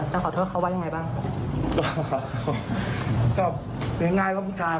จะขอโทษเขาบ้างยังไงบ้าง